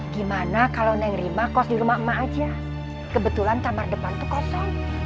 gimana kalau neng rima kos di rumah mbak aja kebetulan tamar depan tuh kosong